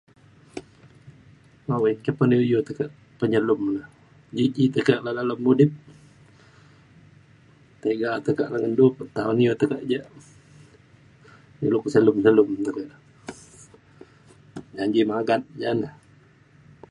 awai engke pe un iu iu penyelum le. ji ji tekak le dalem mudip tiga tekak le ngan du pe taun iu tekak ja ilu ke selum selum te ke. janji magat ja na.